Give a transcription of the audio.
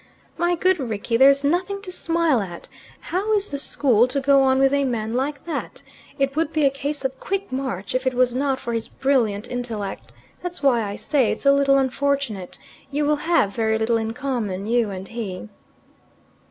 My good Rickie, there's nothing to smile at. How is the school to go on with a man like that? It would be a case of 'quick march,' if it was not for his brilliant intellect. That's why I say it's a little unfortunate. You will have very little in common, you and he."